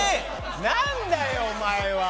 なんだよお前は！